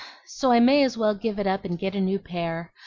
So I may as well give it I up and get a new pair.